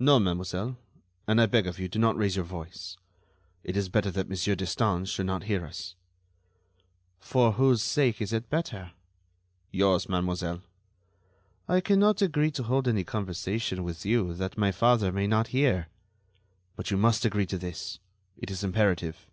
"No, mademoiselle; and I beg of you, do not raise your voice. It is better that Monsieur Destange should not hear us." "For whose sake is it better?" "Yours, mademoiselle." "I cannot agree to hold any conversation with you that my father may not hear." "But you must agree to this. It is imperative."